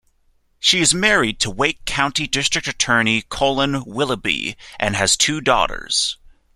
She is married to Wake County district attorney Colon Willoughby and has two daughters.